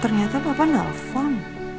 ternyata bapak nelfon